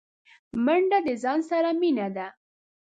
منډه د ځان سره مینه ده